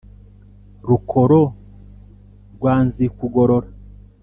rukoro rwa nzikugorora.